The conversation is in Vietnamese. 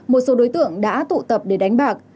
một số đối tượng đã tụ tập để đánh bạc